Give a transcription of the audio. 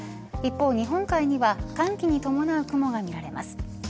一方、日本海には寒気に伴う雲が見られます。